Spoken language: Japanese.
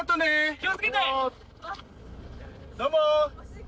気をつけて！